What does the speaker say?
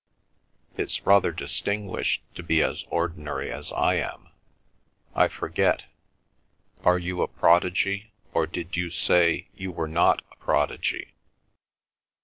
It's rather distinguished to be as ordinary as I am. I forget—are you a prodigy, or did you say you were not a prodigy?"